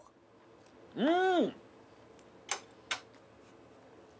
うん！